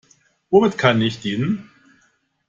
Womit kann ich dienen?